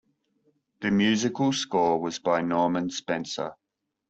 The musical score was by Norman Spencer.